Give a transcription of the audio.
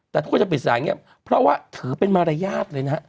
แต่ทุกคนจะปิดสายเงียบเพราะว่าถือเป็นมารยาทเลยนะฮะ